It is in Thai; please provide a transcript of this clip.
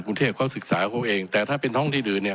กรุงเทพเขาศึกษาเขาเองแต่ถ้าเป็นท้องที่อื่นเนี่ย